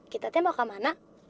kita tembak kemana